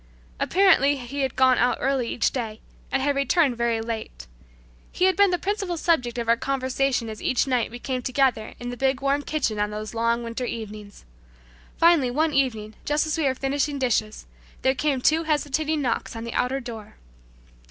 Apparently he had gone out early each day, and had returned very late. He had been the principal subject of our conversation as each night we came together in the big warm kitchen on those long winter evenings. Finally one evening just as we were finishing the dishes, there came two hesitating knocks on the outer door.